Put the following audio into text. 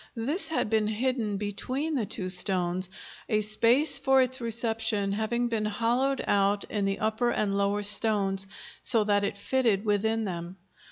This had been hidden between the two stones, a space for its reception having been hollowed out in the upper and lower stones, so that it fitted within them.